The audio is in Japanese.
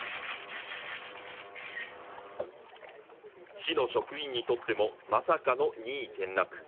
市の職員にとっても、まさかの２位転落。